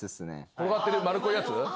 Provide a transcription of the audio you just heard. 転がってる丸っこいやつ？